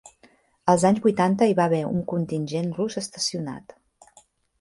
Els anys vuitanta hi va haver un contingent rus estacionat.